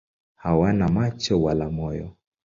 Hawana macho wala moyo.